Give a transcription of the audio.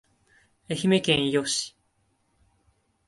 愛媛県伊予市